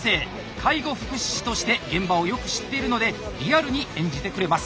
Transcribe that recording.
介護福祉士として現場をよく知っているのでリアルに演じてくれます。